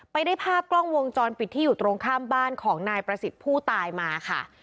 ได้ภาพกล้องวงจรปิดที่อยู่ตรงข้ามบ้านของนายประสิทธิ์ผู้ตายมาค่ะ